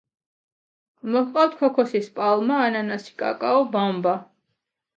მოჰყავთ ქოქოსის პალმა, ანანასი, კაკაო, ბამბა.